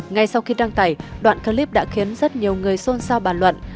ngay sau khi đăng tải đoạn clip đã khiến rất nhiều người xôn xao bàn luận